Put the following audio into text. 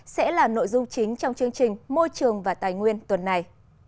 sẽ là nội dung chính trong chương trình môi trường và tài nguyên tuần này